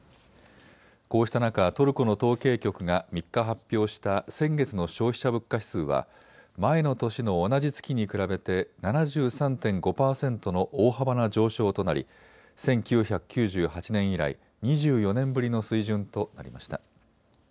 こうした中、トルコの統計局が３日、発表した先月の消費者物価指数は前の年の同じ月に比べて７３．５％の大幅な上昇となり１９９８年以来２４年ぶりの水準となりました。